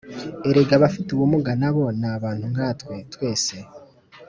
Erega abafite ubumuga na bo ni abantu nka twe twese